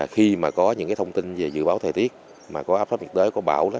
khi mà có những cái thông tin về dự báo thời tiết mà có áp sấp nhiệt đới có bão đó